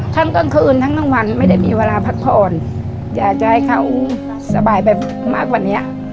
กลางคืนทั้งกลางวันไม่ได้มีเวลาพักผ่อนอยากจะให้เขาสบายแบบมากกว่าเนี้ย